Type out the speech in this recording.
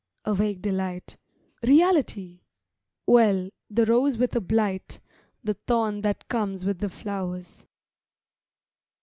a vague delight; Reality? well, the rose with a blight, The thorn that comes with the flowers.